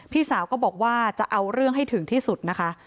พี่สาวก็บอกว่าจะเอาเรื่องให้ถึงที่สุดนะคะ